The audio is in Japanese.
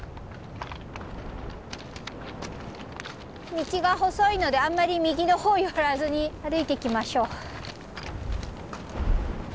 道が細いのであんまり右の方寄らずに歩いていきましょう。